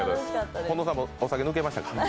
近藤さんもお酒抜けましたか？